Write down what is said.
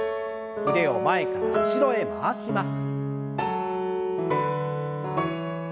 腕を前から後ろへ回します。